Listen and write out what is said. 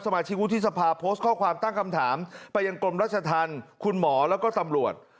มาชิกวุฒิสภาโพสต์ข้อความตั้งคำถามไปยังกรมรัชธรรมคุณหมอแล้วก็ตำรวจ